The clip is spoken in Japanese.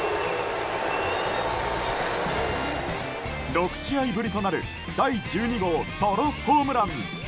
６試合ぶりとなる第１２号ソロホームラン。